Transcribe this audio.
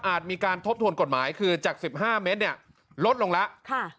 อาจมีการทบทวนกฎหมายคือจาก๑๕เมตรลดลงแล้ว